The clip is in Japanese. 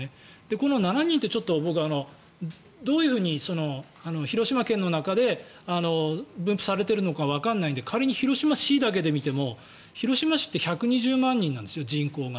この７人って僕はちょっとどういうふうに広島県の中で分布されているのかわからないので仮に広島市だけで見ると広島市って１２０万人なんですね人口が。